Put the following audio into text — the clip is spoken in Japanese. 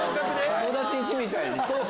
友達ん家みたいに。